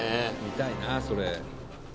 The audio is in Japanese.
見たいなそれ。